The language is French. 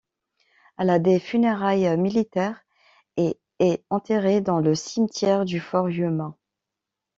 Elle a des funérailles militaires, et est enterrée dans le cimetière du fort Yuma.